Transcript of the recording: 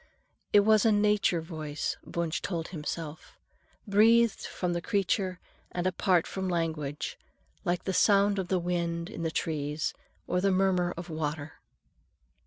It was a nature voice, Wunsch told himself, breathed from the creature and apart from language, like the sound of the wind in the trees, or the murmur of water.